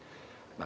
di atas itu boleh